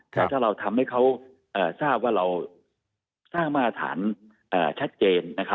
แล้วถ้าเราทำให้เขาทราบว่าเราสร้างมาตรฐานชัดเจน